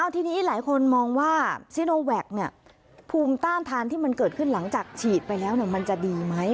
ทีนี้หลายคนมองว่าซิโนแวคภูมิต้านทานที่มันเกิดขึ้นหลังจากฉีดไปแล้วมันจะดีไหม